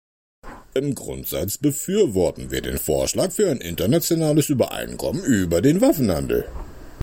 Im Grundsatz befürworten wir den Vorschlag für ein Internationales Übereinkommen über den Waffenhandel.